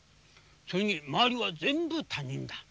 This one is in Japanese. それに周りは全部他人だ。